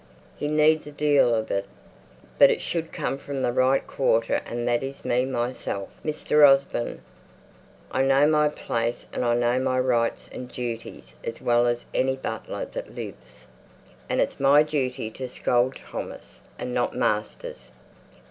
He needs a deal of it. But it should come from the right quarter and that is me, myself, Mr. Osborne. I know my place, and I know my rights and duties as well as any butler that lives. And it's my duty to scold Thomas, and not master's.